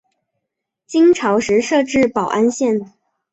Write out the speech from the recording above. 金朝时设置保安县。